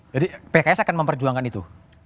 pks akan memperjuangkan itu